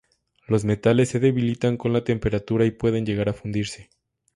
Los metales se debilitan con la temperatura y pueden llegar a fundirse.